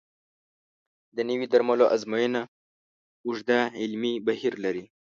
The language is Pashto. د نوي درملو ازموینه اوږد علمي بهیر لري.